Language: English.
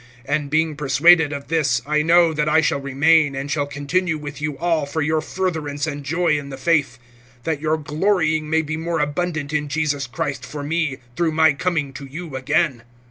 (25)And being persuaded of this, I know that I shall remain, and shall continue with you all for your furtherance and joy in the faith; (26)that your glorying may be more abundant in Jesus Christ for me, through my coming to you again.